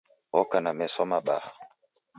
Oka na meso mabaha